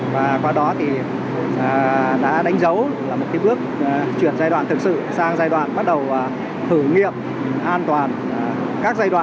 và qua đó thì đã đánh dấu là một cái bước chuyển giai đoạn thực sự sang giai đoạn bắt đầu thử nghiệm an toàn các giai đoạn